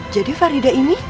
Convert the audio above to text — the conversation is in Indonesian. jadi faridah ini